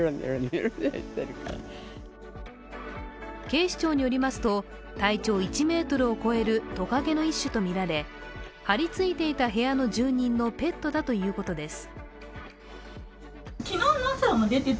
警視庁によりますと、体長１ｍを超えるトカゲの一種とみられ張りついていた部屋の住人のペットだということです。